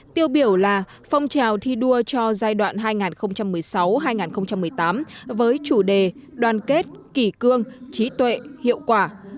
tiêu biểu là phong trào thi đua cho giai đoạn hai nghìn một mươi sáu hai nghìn một mươi tám với chủ đề đoàn kết kỷ cương trí tuệ hiệu quả